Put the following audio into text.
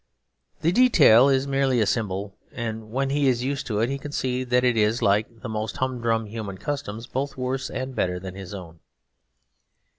The detail is merely a symbol; and when he is used to it he can see that it is, like the most humdrum human customs, both worse and better than his own.